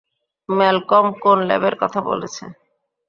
Malcolm কোন ল্যাবের কথা বলেছে?